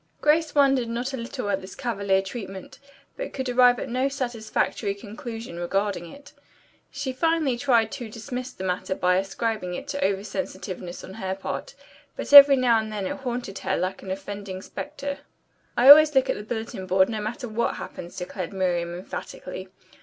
Grace wondered not a little at this cavalier treatment, but could arrive at no satisfactory conclusion regarding it. She finally tried to dismiss the matter by ascribing it to over sensitiveness on her part, but every now and then it haunted her like an offending spectre. "I always look at the bulletin board, no matter what happens," declared Miriam emphatically.